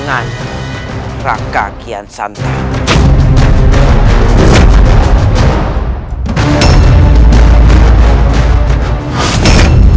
untuk rai surawisasa